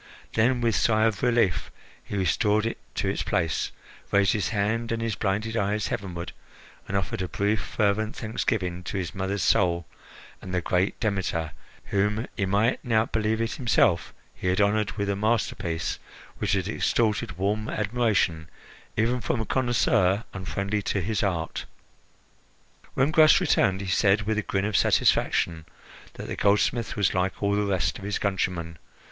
Then, with sigh of relief, he restored it to its place, raised his hand and his blinded eyes heavenward, and offered a brief, fervent thanksgiving to his mother's soul and the great Demeter, whom, he might now believe it himself, he had honoured with a masterpiece which had extorted warm admiration even from a connoisseur unfriendly his art. When Gras returned, he said, with a grin of satisfaction, that the goldsmith was like all the rest of his countrymen.